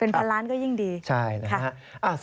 เป็นพันล้านก็ยิ่งดีครับใช่นะฮะครับครับ